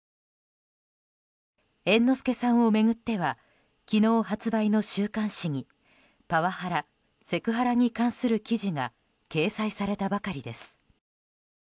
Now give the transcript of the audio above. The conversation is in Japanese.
猿之助さんを巡っては昨日発売の週刊誌にパワハラ・セクハラに関する記事が掲載されたばかりです。